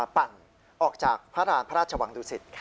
ปั่นออกจากพระราณพระราชวังดุสิต